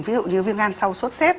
ví dụ như viêm gan sau sốt xét